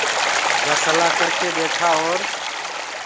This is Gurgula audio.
يآ سلآ ڪرَ ڪي ٻيٺآ اورَ